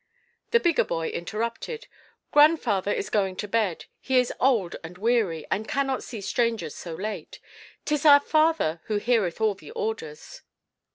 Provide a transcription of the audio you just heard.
The bigger boy interrupted, "Grandfather is going to bed. He is old and weary, and cannot see strangers so late. 'Tis our father who heareth all the orders."